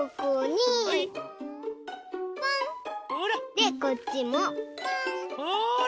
でこっちもポン！ほら！